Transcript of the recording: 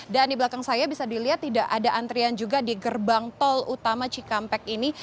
dan di belakang saya bisa dilihat tidak ada antrian juga di gerbang tol utama cikampek ini